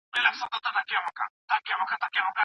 تدريس د وخت له مخي تنظيم کېږي.